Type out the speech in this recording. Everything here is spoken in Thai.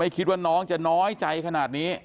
คิดว่าน้องจะน้อยใจขนาดนี้